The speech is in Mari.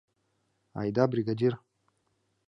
— Айда, бригадир!